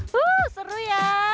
wuh seru ya